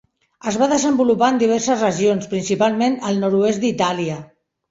Es va desenvolupar en diverses regions, principalment al nord-oest d'Itàlia.